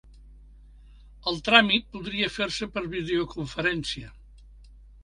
El tràmit podria fer-se per videoconferència.